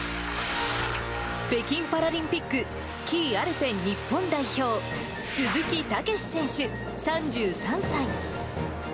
北京パラリンピック、スキーアルペン日本代表、鈴木猛史選手３３歳。